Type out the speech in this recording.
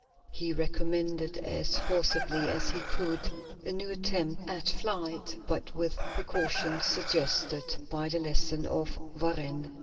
He recommended, as forcibly as he could, a new attempt at flight, but with precautions suggested by the lesson of Varennes.